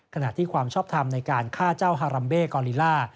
ขณะที่ความชอบทำในการฆ่าเจ้าฮารัมเบ่กอลิล่า